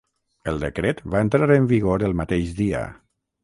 El decret va entrar en vigor el mateix dia.